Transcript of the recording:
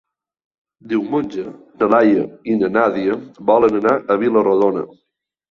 Diumenge na Laia i na Nàdia volen anar a Vila-rodona.